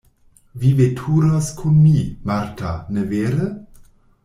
Vi veturos kun mi, Marta, ne vere?